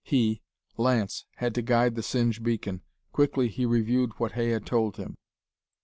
He, Lance, had to guide the Singe beacon. Quickly he reviewed what Hay had told him.